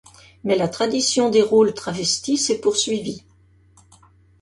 Mais la tradition des rôles travestis s'est poursuivie.